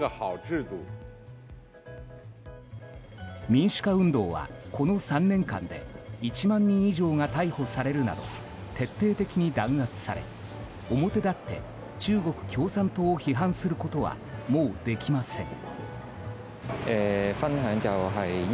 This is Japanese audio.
民主化運動は、この３年間で１万人以上が逮捕されるなど徹底的に弾圧され表立って、中国共産党を批判することはもうできません。